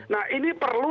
nah ini perlu